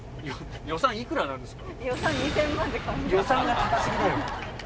予算いくらなんですか？